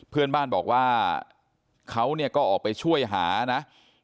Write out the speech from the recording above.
เพื่อนบ้านบอกว่าเขาก็ออกไปช่วยหานะ